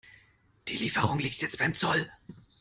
Die Lieferung liegt jetzt beim Zoll.